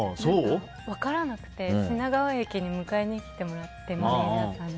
分からなくて品川駅に迎えてきてもらってマネジャーさんに。